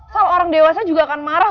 kalau orang dewasa juga akan marah